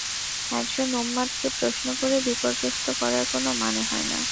একজন উন্মাদকে প্রশ্ন করে বিপর্যস্ত করার কোনো মানে হয় না।